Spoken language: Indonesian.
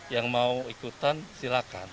yang mau ikutan silahkan